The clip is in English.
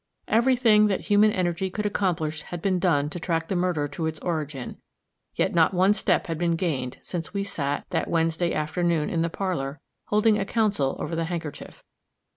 Every thing that human energy could accomplish had been done to track the murder to its origin; yet not one step had been gained since we sat, that Wednesday afternoon, in the parlor, holding a council over the handkerchief.